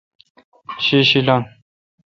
شی شی لنگ۔